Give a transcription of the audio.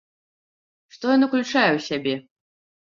Што ён уключае ў сябе?